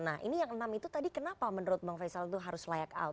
nah ini yang enam itu tadi kenapa menurut bang faisal itu harus layak out